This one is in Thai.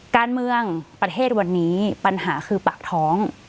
การเมืองประเทศวันนี้ปัญหาคือปากท้อง